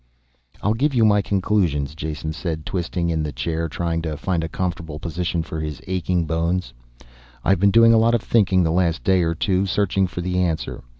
"I'll give you my conclusions," Jason said, twisting in the chair, trying to find a comfortable position for his aching bones. "I've been doing a lot of thinking the last day or two, searching for the answer.